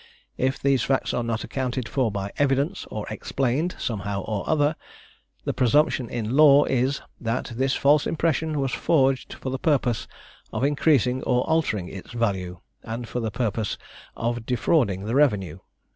If these facts are not accounted for by evidence, or explained somehow or other, the presumption in law is, that this false impression was forged for the purpose of increasing or altering its value, and for the purpose of defrauding the revenue.